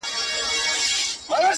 یوه ورځ قسمت راویښ بخت د عطار کړ!